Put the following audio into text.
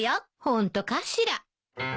ホントかしら？